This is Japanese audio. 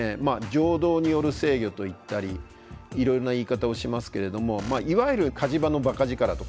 情動による制御といったりいろいろな言い方をしますけれどもいわゆる火事場のばか力とかですね